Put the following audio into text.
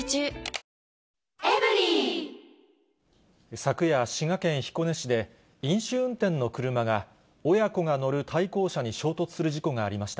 昨夜、滋賀県彦根市で、飲酒運転の車が、親子が乗る対向車に衝突する事故がありました。